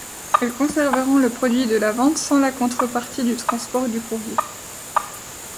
Elles conserveront le produit de la vente sans la contrepartie du transport du courrier.